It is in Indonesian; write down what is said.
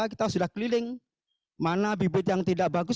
itu sejak tahun dua ribu tiga kita sudah keliling mana bibit yang tidak bagus